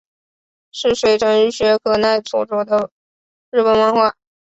是水城雪可奈所着的日本漫画。